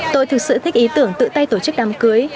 tôi thực sự thích ý tưởng tự tay tổ chức đám cưới